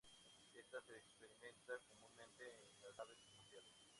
Ésta se experimenta comúnmente en las naves espaciales.